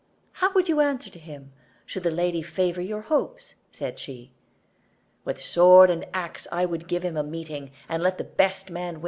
How would you answer to him, should the lady favor your hopes?" said she. "With sword and axe I would give him a meeting, and let the best man win."